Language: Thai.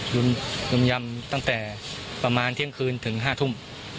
มยำตั้งแต่ประมาณเที่ยงคืนถึง๕ทุ่ม